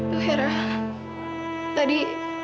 noh hera tadi